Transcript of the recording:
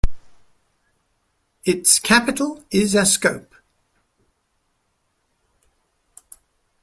Its capital is Ascope.